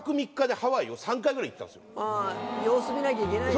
様子見なきゃいけないし。